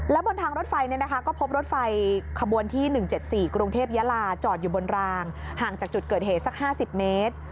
บนทางรถไฟก็พบรถไฟขบวนที่๑๗๔กรุงเทพยาลาจอดอยู่บนรางห่างจากจุดเกิดเหตุสัก๕๐เมตร